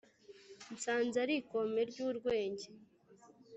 Nsanze ari ikome ry'urwunge,